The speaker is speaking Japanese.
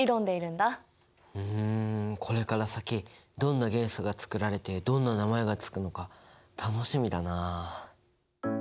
ふんこれから先どんな元素が作られてどんな名前が付くのか楽しみだな。